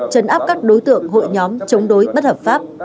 chấn áp các đối tượng hội nhóm chống đối bất hợp pháp